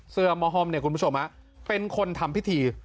เสื้อมอฮอมเนี่ยคุณผู้ชมเป็นคนทำพิธี